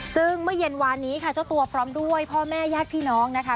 ซึ่งเมื่อเย็นวานนี้ค่ะเจ้าตัวพร้อมด้วยพ่อแม่ญาติพี่น้องนะคะ